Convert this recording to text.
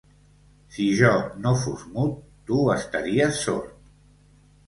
Si jo no fos mut, tu estaries sord.